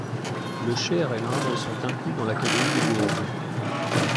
Le Cher et l'Indre sont inclus dans l'Académie de Bourges.